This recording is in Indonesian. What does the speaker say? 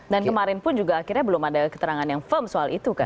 dan kemarin pun akhirnya belum ada keterangan yang firm soal itu kan